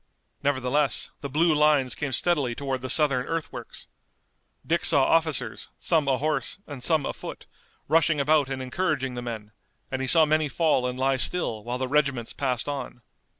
Nevertheless the blue lines came steadily toward the Southern earthworks. Dick saw officers, some ahorse, and some afoot, rushing about and encouraging the men, and he saw many fall and lie still while the regiments passed on.